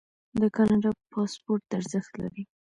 د کاناډا پاسپورت ارزښت لري.